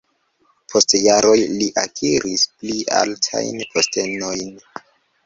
Post jaroj li akiris pli altajn postenojn.